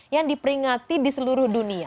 yang diperingati di seluruh dunia